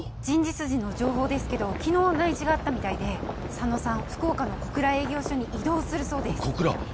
人事筋の情報ですけど昨日内示があったみたいで佐野さん福岡の小倉営業所に異動するそうです小倉？